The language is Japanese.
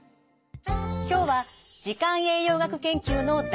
今日は時間栄養学研究の第一人者